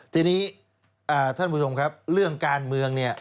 ทีนี้ท่านผู้ชมครับเรื่องการเมืองเนี่ย